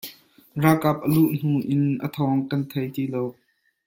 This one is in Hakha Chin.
Ralkap a luh hnu in a thawng kan thei ti lo.